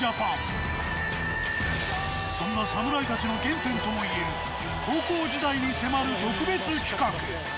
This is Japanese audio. そんな侍たちの原点ともいえる高校時代に迫る特別企画。